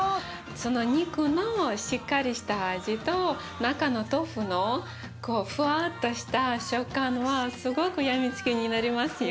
その肉のしっかりした味と中の豆腐のふわっとした食感はすごく病みつきになりますよ。